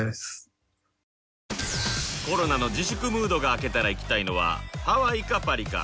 コロナの自粛ムードが明けたら行きたいのはハワイかパリか